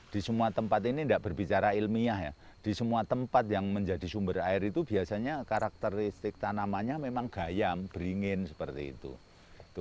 di semua tempat ini tidak berbicara ilmiah ya di semua tempat yang menjadi sumber air itu biasanya karakteristik tanamannya memang gayam beringin seperti itu